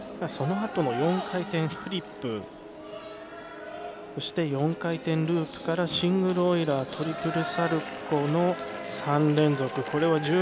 そのあとの４回転フリップそして４回転ループからシングルオイラートリプルサルコーの３連続。